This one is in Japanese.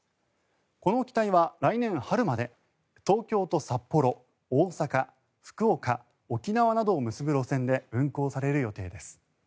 この機体は来年春まで東京と札幌、大阪福岡、沖縄などを結ぶ路線で運航される予定です。